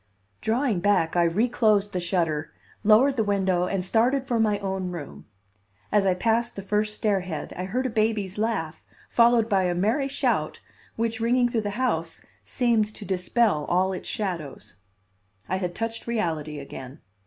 Drawing back, I reclosed the shutter, lowered the window and started for my own room. As I passed the first stair head, I heard a baby's laugh, followed by a merry shout, which, ringing through the house, seemed to dispel all its shadows. I had touched reality again.